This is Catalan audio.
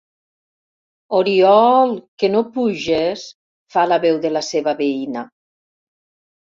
Orioool, que no puges? —fa la veu de la seva veïna.